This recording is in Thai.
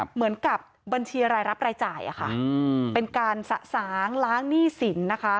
เหมือนกับบัญชีรายรับรายจ่ายเป็นการสะสางล้างหนี้สินนะคะ